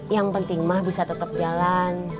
yang penting mah bisa tetap jalan